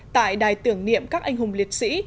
tại đài tưởng niệm các anh hùng liệt sĩ